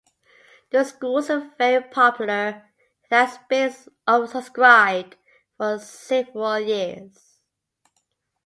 The school is very popular and has been oversubscribed for several years.